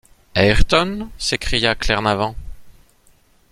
Ayrton? s’écria Glenarvan.